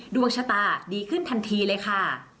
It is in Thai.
ดวงชะตาดีขึ้นทันทีเลยค่ะ